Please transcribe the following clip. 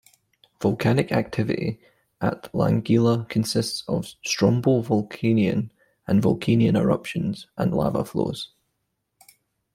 Volcanic activity at Langila consists of Strombo-Vulcanian and Vulcanian eruptions and lava flows.